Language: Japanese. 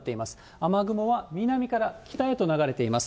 雨雲は南から北へと流れています。